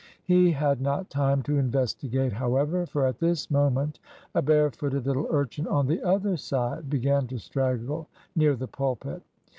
He had not time to investigate, however, for at this moment a barefooted little urchin on the other side began to straggle near the pulpit.